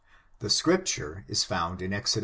This scripture is found in Exod.